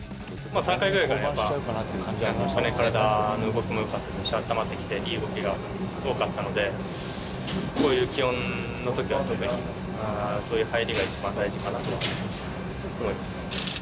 ３回くらいから、やっぱり、体の動きもよかったし、温まってきて、いい動きが多かったので、こういう気温のときは特にそういう入りが一番大事かなと思います。